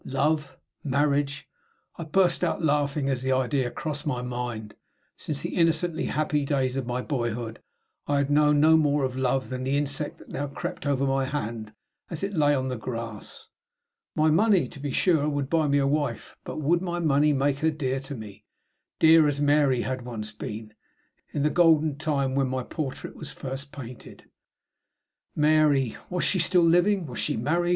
Love? Marriage? I burst out laughing as the idea crossed my mind. Since the innocently happy days of my boyhood I had known no more of love than the insect that now crept over my hand as it lay on the grass. My money, to be sure, would buy me a wife; but would my money make her dear to me? dear as Mary had once been, in the golden time when my portrait was first painted? Mary! Was she still living? Was she married?